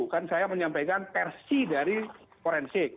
kan saya menyampaikan versi dari forensik